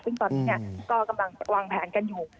ซึ่งตอนนี้ก็กำลังวางแผนกันอยู่